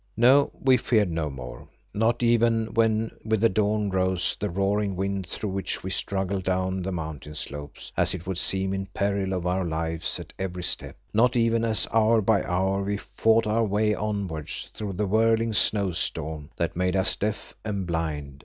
No, we feared no more, not even when with the dawn rose the roaring wind, through which we struggled down the mountain slopes, as it would seem in peril of our lives at every step; not even as hour by hour we fought our way onwards through the whirling snow storm, that made us deaf and blind.